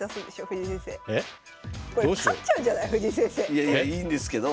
いやいやいいんですけど。